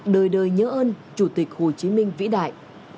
đời đời nhớ ơn chủ tịch hồ chí minh vĩ đại